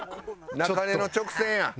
中根の直線やん。